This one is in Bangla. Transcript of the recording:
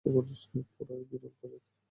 পুরাই বিরল প্রজাতির।